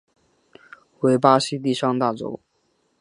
为巴西第三大州。